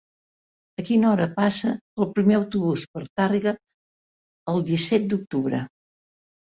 A quina hora passa el primer autobús per Tàrrega el disset d'octubre?